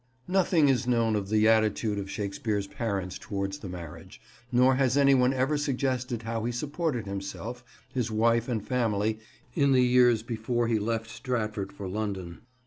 Nothing is known of the attitude of Shakespeare's parents towards the marriage, nor has any one ever suggested how he supported himself, his wife and family in the years before he left Stratford for London.